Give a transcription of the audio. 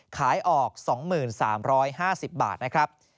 ขายออก๒๓๕๐บาทนะครับ